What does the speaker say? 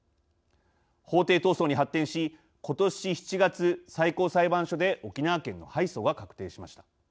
法廷闘争に発展し、ことし７月最高裁判所で沖縄県の敗訴が確定しました。